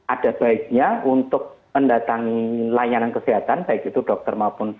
ada baiknya untuk mendatangi layanan kesehatan baik itu dokter maupun dokter anak maupun rumah